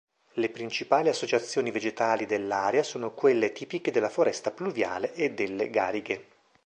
Le principali associazioni vegetali dell'area sono quelle tipiche della foresta pluviale e delle garighe.